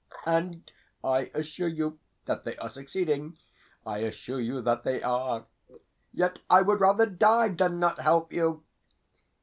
And I assure you that they are succeeding I assure you that they are. Yet I would rather die than not help you.